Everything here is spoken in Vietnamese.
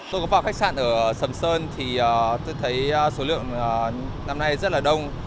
tôi có vào khách sạn ở sầm sơn thì tôi thấy số lượng năm nay rất là đông